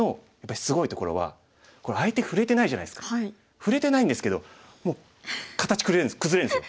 触れてないんですけどもう形崩れるんですよ。